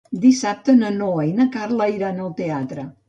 Dissabte na Noa i na Carla iran al teatre.